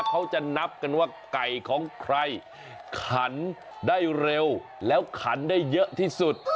เขาจะนับกันว่าไก่ของใครขันได้เร็วแล้วขันได้เยอะที่สุด